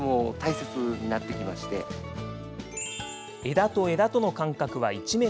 枝と枝との間隔は１ｍ。